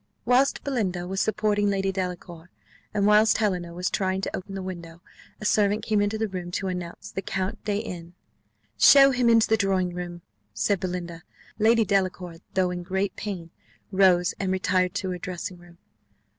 Whilst Belinda was supporting Lady Delacour, and whilst Helena was trying to open the window, a servant came into the room to announce the Count de N . "Show him into the drawing room," said Belinda. Lady Delacour, though in great pain, rose and retired to her dressing room.